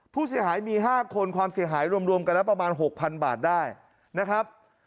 ผู้เสียหายมี๕คนความเสียหายรวมกันแล้วประมาณ๖๐๐๐บาทได้นะครับ